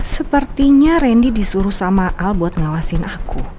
sepertinya randy disuruh sama al buat ngawasin aku